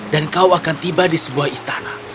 dan kau akan tiba di sebuah istana